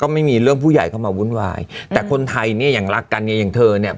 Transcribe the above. ไม่มีเรื่องผู้ใหญ่เข้ามาวุ่นวายแต่คนไทยเนี่ยอย่างรักกันเนี่ยอย่างเธอเนี่ย